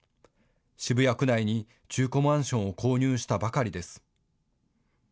渋谷区内に中古マンションを購入したばかりです。